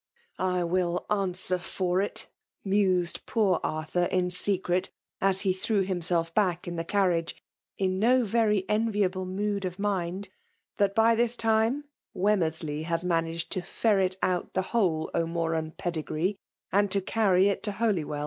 I inll answer for it/' mused poor Arthur in secret, as he threw himself back m the earw riage in no very enviable mood of mind, " tiiat by this time Wemmersley has managed to ferret out the whole O^Moran pedigree and to carry it to H<dyweH.